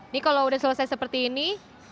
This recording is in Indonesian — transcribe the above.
nih kalau sudah selesai seperti ini